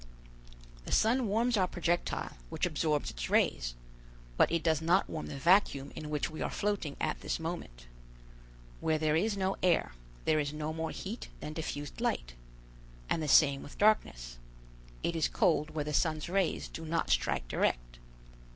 "The sun warms our projectile, which absorbs its rays; but it does not warm the vacuum in which we are floating at this moment. Where there is no air, there is no more heat than diffused light; and the same with darkness; it is cold where the sun's rays do not strike direct.